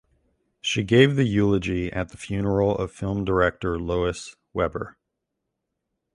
She gave the eulogy at the funeral of film director Lois Weber.